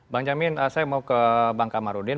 bang jamin saya mau ke bang kamarudin